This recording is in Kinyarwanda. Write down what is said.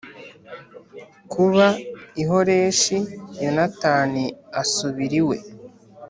kuba i Horeshi Yonatani asubira iwe